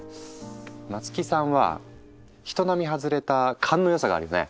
松木さんは人並み外れた勘の良さがあるよね。